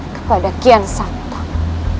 kepada kian santang